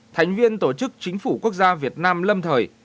thành viên tổ chức chính phủ quốc gia việt nam lâm thời